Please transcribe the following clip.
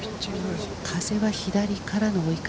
風は左からの追い風。